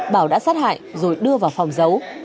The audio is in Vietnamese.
bảo đã sát hại rồi đưa vào phòng giấu